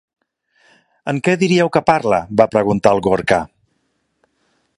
En què diríeu que parla? —va preguntar el Gorka.